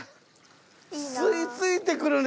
吸い付いてくるね